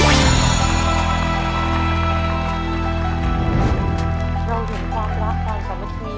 เช่าถึงความรักกับสมที